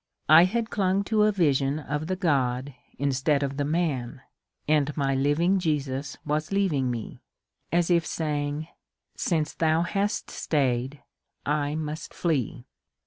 I had clung to a vision of the god instead of the man, and my living Jesus was leaving me, — as if saying, *^ Since thou hast stayed I must flee."